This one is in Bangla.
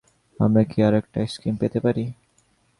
আমরা কি আরেকটা আইসক্রিম পেতে পারি?